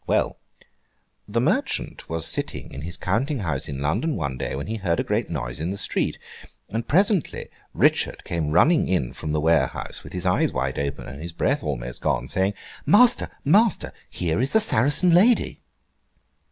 Well! The merchant was sitting in his counting house in London one day, when he heard a great noise in the street; and presently Richard came running in from the warehouse, with his eyes wide open and his breath almost gone, saying, 'Master, master, here is the Saracen lady!